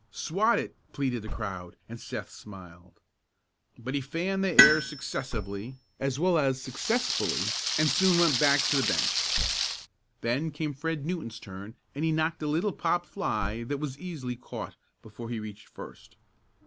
"Swat it," pleaded the crowd, and Seth smiled. But he fanned the air successively as well as successfully and soon went back to the bench. Then came Fred Newton's turn and he knocked a little pop fly that was easily caught before he reached first.